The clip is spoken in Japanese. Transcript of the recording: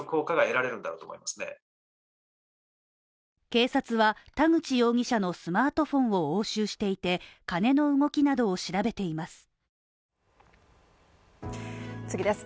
警察は田口容疑者のスマートフォンを押収していて、金の動きなどを調べています。